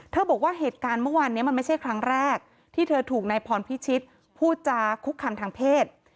บอกว่าเหตุการณ์เมื่อวานนี้มันไม่ใช่ครั้งแรกที่เธอถูกนายพรพิชิตพูดจาคุกคำทางเพศ